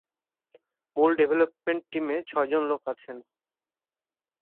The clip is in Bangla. মূল ডেভেলপমেন্ট টিমে ছয়জন লোক আছেন।